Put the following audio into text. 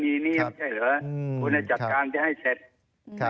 ภัยบูรณ์นิติตะวันภัยบูรณ์นิติตะวัน